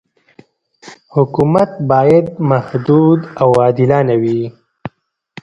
حکومت باید محدود او عادلانه وي.